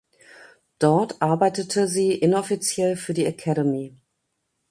Dort arbeitete sie inoffiziell für die Academy.